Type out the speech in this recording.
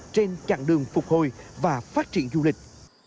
trên chặng đường phục hồi và phát triển du lịch